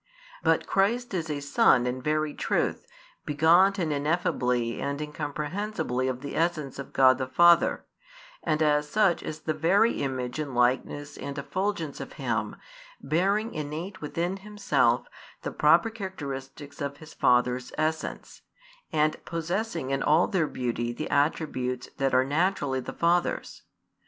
But Christ is a Son in very truth, begotten ineffably and incomprehensibly of the essence of God the Father, and as such is the Very Image and Likeness and Effulgence of Him, bearing innate within Himself the proper characteristics of His Father's essence, and possessing in all their beauty the attributes that are naturally the Father's.